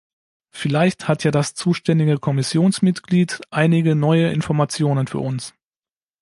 Vielleicht hat ja das zuständige Kommissionsmitglied einige neue Informationen für uns.